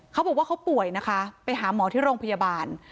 เขาบอกว่าเขาป่วยนะคะไปหาหมอที่โรงพยาบาล